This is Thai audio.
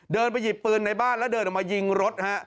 เดินไปหยิบปืนในบ้านแล้วเดินออกมายิงรถฮะ